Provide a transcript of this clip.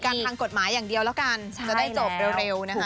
ทางกฎหมายอย่างเดียวแล้วกันจะได้จบเร็วนะคะ